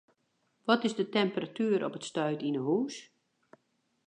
Wat is de temperatuer op it stuit yn 'e hûs?